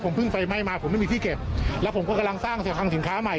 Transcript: ผมเพิ่งไฟไหม้มาผมไม่มีที่เก็บแล้วผมก็กำลังสร้างสรรคังสินค้าใหม่